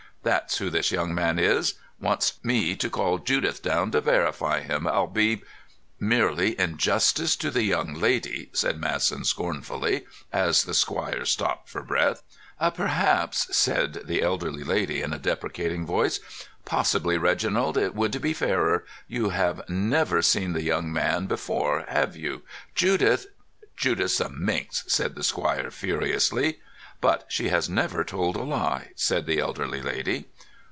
That's who this young man is. Wants me to call Judith down to verify him. I'll be——" "Merely in justice to the young lady," said Masson scornfully, as the squire stopped for breath. "Perhaps——" said the elderly lady, in a deprecating voice. "Possibly, Reginald, it would be fairer. You have never seen the young man before, have you? Judith——" "Judith's a minx!" said the squire furiously. "But she has never told a lie," said the elderly lady.